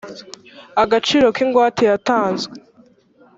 agaciro k ingwate yatanzwe